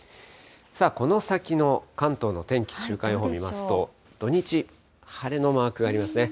この先の関東の天気、週間予報見ますと、土日、晴れのマークがありますね。